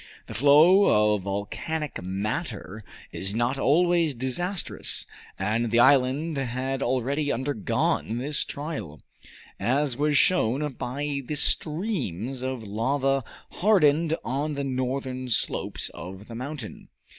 The flow of volcanic matter is not always disastrous, and the island had already undergone this trial, as was shown by the streams of lava hardened on the northern slopes of the mountain.